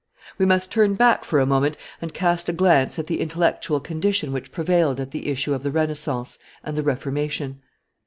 We must turn back for a moment and cast a glance at the intellectual condition which prevailed at the issue of the Renaissance and the Reformation.